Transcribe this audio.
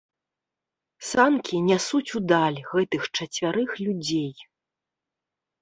Санкі нясуць у даль гэтых чацвярых людзей.